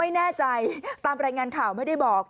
ไม่แน่ใจตามรายงานข่าวไม่ได้บอก